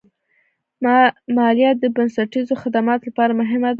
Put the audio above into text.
مالیه د بنسټیزو خدماتو لپاره مهمه ده.